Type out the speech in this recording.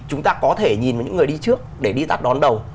chúng ta có thể nhìn những người đi trước để đi tạp đón đầu